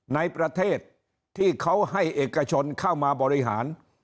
ในประเทศที่เขาให้เอกชนเข้ามาบริหาร